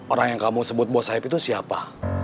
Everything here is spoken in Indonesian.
orang yang kamu sebut bos saeb itu siapa